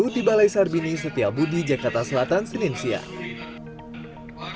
di balai sarbini setiabudi jakarta selatan senin siang